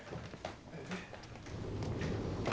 えっ？